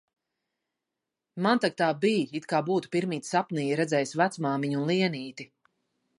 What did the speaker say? Man tak tā bij, it kā būtu pirmīt sapnī redzējis vecmāmiņu un Lienīti